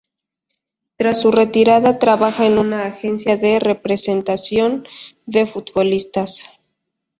Tras su retirada trabaja en una agencia de representación de futbolistas.